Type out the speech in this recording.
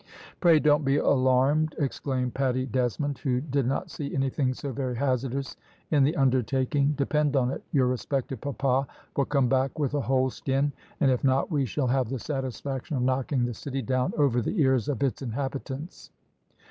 "Pray don't be alarmed," exclaimed Paddy Desmond, who did not see anything so very hazardous in the undertaking; "depend on it, your respected papa will come back with a whole skin, and if not, we shall have the satisfaction of knocking the city down over the ears of its inhabitants."